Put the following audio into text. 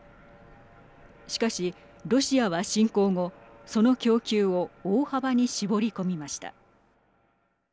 しかし、ロシアは侵攻後その供給を大幅に絞り込みました。